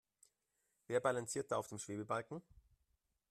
Wer balanciert da auf dem Schwebebalken?